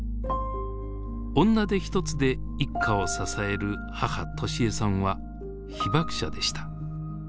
女手一つで一家を支える母敏恵さんは被爆者でした。